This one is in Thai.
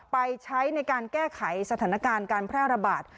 ไปใช้ในการแก้ไขสถานการณ์การแพร่ระบาด